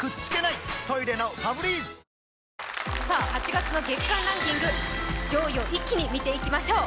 「８月の月間ランキング」上位を一気に見ていきましょう。